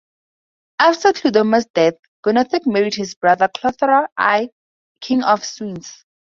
After Chlodomer's death, Guntheuc married his brother Clothar I, king of Soissons.